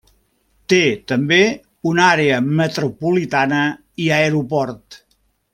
Té també una àrea metropolitana i aeroport.